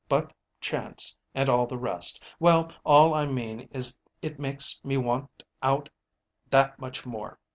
But chance, and all the rest ... well, all I mean is it makes me want out that much more.